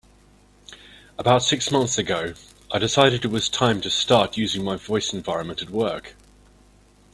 About six months ago, I decided it was time to start using my voice environment at work.